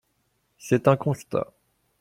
C’est un constat.